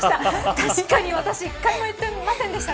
確かに私一度も言ってませんでした。